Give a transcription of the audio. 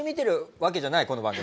この番組。